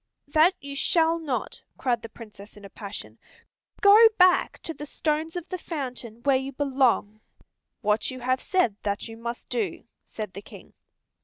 "That you shall not," cried the Princess in a passion. "Go back to the stones of the fountain, where you belong." "What you have said that you must do," said the King.